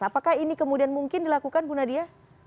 apakah ini kemudian mungkin dilakukan bu nadia